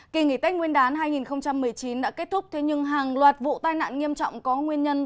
kỳ nghỉ tết nguyên đán hai nghìn một mươi chín đã kết thúc thế nhưng hàng loạt vụ tai nạn nghiêm trọng có nguyên nhân